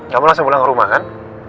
kamu langsung pulang ke rumah kan